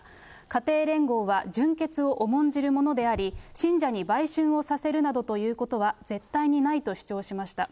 家庭連合は純潔を重んじるものであり、信者に売春をさせるなどということは絶対にないと主張しました。